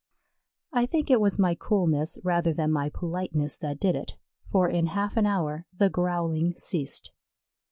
I think it was my coolness rather than my politeness that did it, for in half an hour the growling ceased.